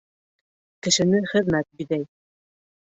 Кешене хеҙмәт биҙәй.